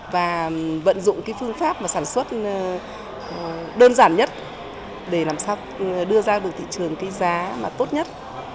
và vận dụng cái phương pháp mà sản xuất đơn giản nhất để làm sao đưa ra được thị trường cái giá mà tốt nhất